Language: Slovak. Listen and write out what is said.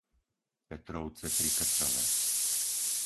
Petrovce pri Krčave